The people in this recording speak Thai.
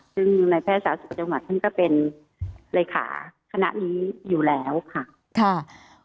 ซึ่งในแพทย์สาธารณสุขจังหวัดท่านก็เป็นเลขาคณะนี้อยู่แล้วค่ะ